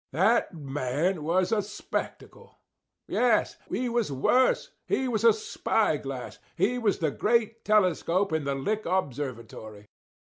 That man was a spectacle. Yes; he was worse; he was a spyglass; he was the great telescope in the Lick Observatory.